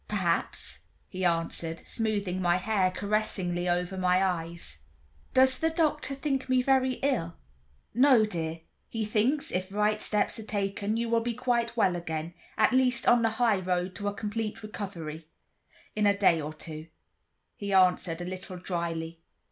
"Perhaps," he answered, smoothing my hair caressingly over my eyes. "Does the doctor think me very ill?" "No, dear; he thinks, if right steps are taken, you will be quite well again, at least, on the high road to a complete recovery, in a day or two," he answered, a little dryly.